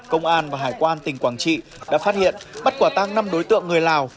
công an và hải quan tỉnh quảng trị đã phát hiện bắt quả tăng năm đối tượng người lào